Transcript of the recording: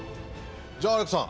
じゃあアレックさん